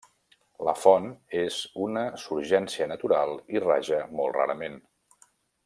La font és una surgència natural i raja molt rarament.